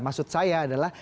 maksud saya adalah